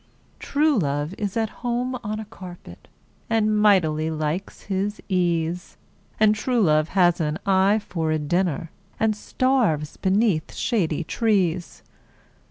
True love is at home on a carpet, And mightily likes his ease And true love has an eye for a dinner, And starves beneath shady trees.